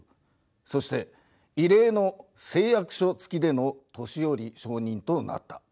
そして異例の誓約書付きでの年寄承認となった。